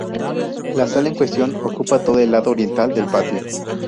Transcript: La sala en cuestión ocupa todo el lado oriental del patio.